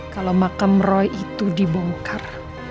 kalau makam roy itu dibongkar